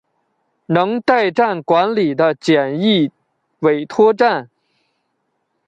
能代站管理的简易委托站。